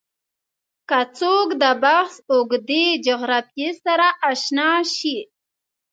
که څوک د بحث اوږدې جغرافیې سره اشنا شي